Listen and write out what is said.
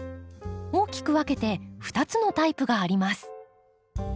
大きく分けて２つのタイプがあります。